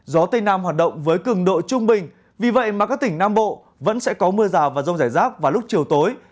gió tây nam hoạt động với cường độ trung bình vì vậy mà các tỉnh nam bộ vẫn sẽ có mưa rào và rông rải rác vào lúc chiều tối